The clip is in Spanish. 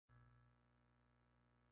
Un terremoto pone fin a la fiesta.